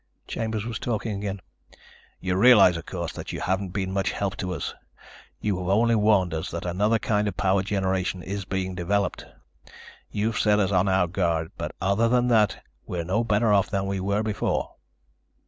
Chambers was talking again: "You realize, of course, that you haven't been much help to us. You have only warned us that another kind of power generation is being developed. You've set us on our guard, but other than that we're no better off than we were before."